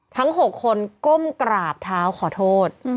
ทั้ง๖คนก้มกราบเท้าขอโทษ